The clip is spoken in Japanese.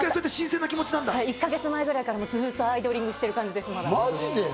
１か月前くらいからずっとアイドリングしてる感じです。